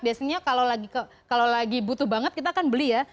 biasanya kalau lagi butuh banget kita akan beli ya